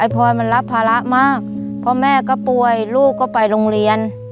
พลอยมันรับภาระมากเพราะแม่ก็ป่วยลูกก็ไปโรงเรียน